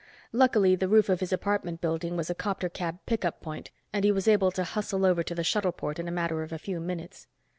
Luckily, the roof of his apartment building was a copter cab pickup point and he was able to hustle over to the shuttleport in a matter of a few minutes.